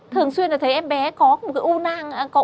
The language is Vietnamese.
thường xuyên là thấy em bé có